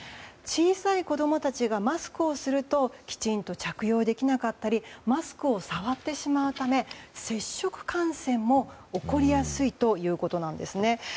小さい子供たちがマスクをするときちんと着用できなかったりマスクを触ってしまうため接触感染も起こりやすいということなんですね。